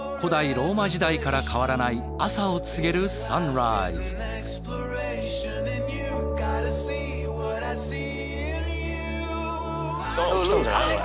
ローマ時代から変わらない朝を告げるサンライズ。来たんじゃないこれ。